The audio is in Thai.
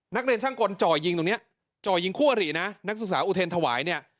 นักเรียนช่างกลจ่อยิงตรงเนี้ยจ่อยิงคู่อรินะนักศึกษาอุเทรนธวายเนี่ย